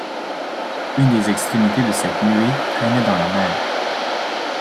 Une des extrémités de cette nuée traînait dans la mer.